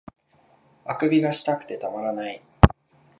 欠伸がしたくてたまらない